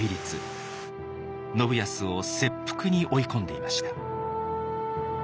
信康を切腹に追い込んでいました。